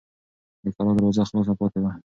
د کلا دروازه خلاصه پاتې وه.